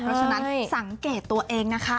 เพราะฉะนั้นสังเกตตัวเองนะคะ